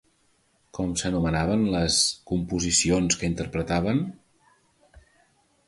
Com s'anomenaven les composicions que interpretaven?